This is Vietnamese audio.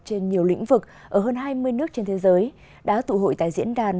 trên nhiều lĩnh vực ở hơn hai mươi nước trên thế giới đã tụ hội tại diễn đàn